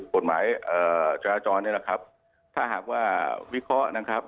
กฎหมายจราจรนี่แหละครับถ้าหากว่าวิเคราะห์นะครับ